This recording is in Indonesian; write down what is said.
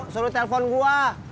suruh telfon gua